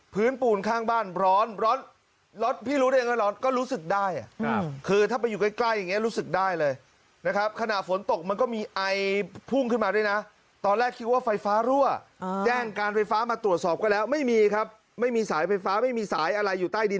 พื้นปูนข้างบ้านร้อนร้อนรสพี่รุดเองก็รอดก็ยังรู้สึกได้